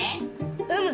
うむ！